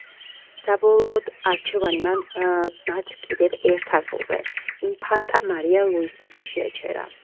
საბოლოოდ არჩევანი მან მათ კიდევ ერთ ასულზე, ინფანტა მარია ლუისაზე შეაჩერა.